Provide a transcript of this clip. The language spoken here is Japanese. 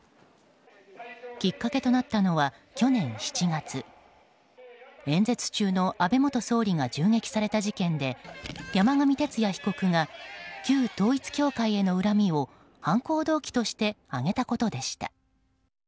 きっかけとなったのは去年７月演説中の安倍元総理が銃撃された事件で山上徹也被告が旧統一教会への恨みを犯行動機として挙げたことでした。